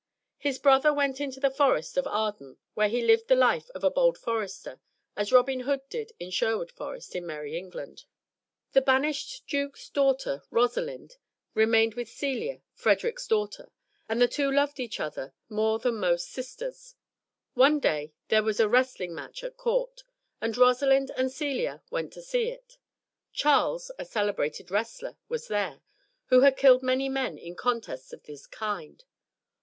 His brother went into the Forest of Arden, where he lived the life of a bold forester, as Robin Hood did in Sherwood Forest in merry England. The banished duke's daughter, Rosalind, remained with Celia, Frederick's daughter, and the two loved each other more than most sisters. One day there was a wrestling match at court, and Rosalind and Celia went to see it. Charles, a celebrated wrestler, was there, who had killed many men in contests of this kind.